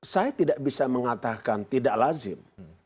saya tidak bisa mengatakan tidak lazim